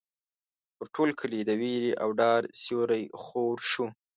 پر ټول کلي د وېرې او ډار سیوری خور شو.